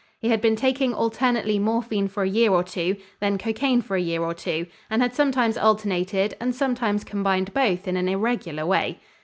He had been taking alternately morphine for a year or two, then cocaine for a year or two, and had sometimes alternated and sometimes combined both in an irregular way.